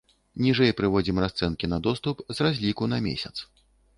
Ніжэй прыводзім расцэнкі на доступ з разліку на месяц.